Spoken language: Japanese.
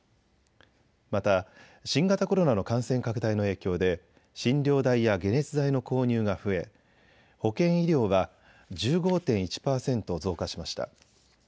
また新型コロナの感染拡大の影響で診療代や解熱剤の購入が増え保健医療は１５．１％増加しました。